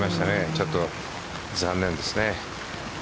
ちょっと残念ですね。